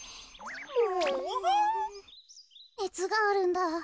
ねつがあるんだ。